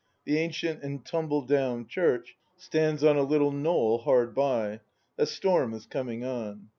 The ancient and tumble down church stands on a little knoll hard by. A storm, is coming on.